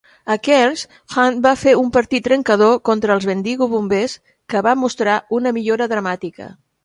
A Cairns, Hunt va fer un partit trencador contra els Bendigo Bombers que va mostrar una millora dramàtica.